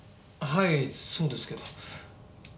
はいそうですけど。